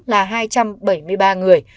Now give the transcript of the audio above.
là hai trăm bảy mươi ba người